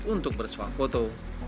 untuk bersuap foto